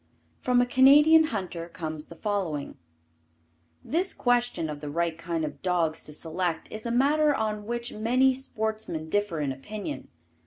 From a Canadian Hunter comes the following: This question of the right kind of dogs to select is a matter on which many sportsmen differ in opinion.